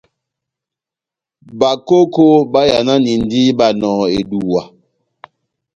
Bakoko bayananindi Banɔhɔ eduwa.